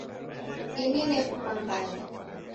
Ini nefuma Mbale